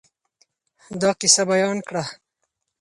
دا قصه بیان کړه.